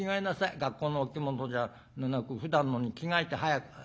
学校のお着物じゃなくふだんのに着替えて早く。